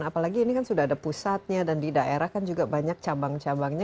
apalagi ini kan sudah ada pusatnya dan di daerah kan juga banyak cabang cabangnya